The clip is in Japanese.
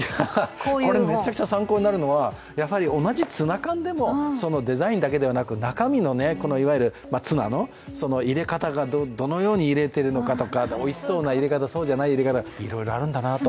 これめちゃくちゃ参考になるのは同じツナ缶でもデザインだけではなく中身のツナの入れ方がどのように入れてるとかおいしそうな入れ方、そうじゃない入れ方、いろいろあるんだなと。